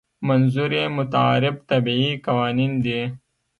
منظور یې متعارف طبیعي قوانین دي.